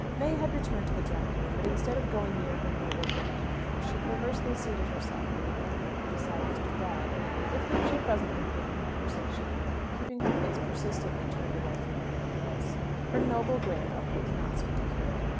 May had returned to the drawing room; but instead of going near her noble grand uncle, she perversely seated herself in a remote nook beside Mr. Bragg, with whom she presently began a conversation, keeping her face persistently turned away from every one else. Her noble grand uncle did not seem to care.